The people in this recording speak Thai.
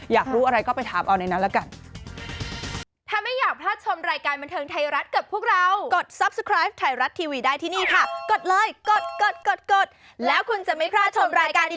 อยากรู้อะไรก็ไปถามเอาในนั้นละกัน